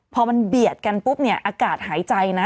พอมันเบียดกันปุ๊บเนี่ยอากาศหายใจนะ